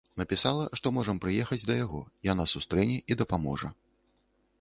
Напісала, што можам прыехаць да яго, яна сустрэне і дапаможа.